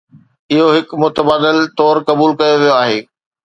اهو هڪ متبادل طور قبول ڪيو ويو آهي.